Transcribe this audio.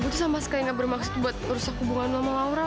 gue tuh sama sekali gak bermaksud buat merusak hubungan lo sama laura